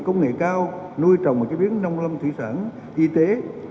đề cao nuôi trồng và chế biến nông lâm thủy sản y tế